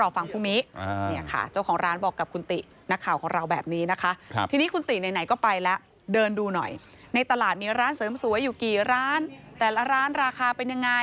ตี๋จะตอบผมหรือครับ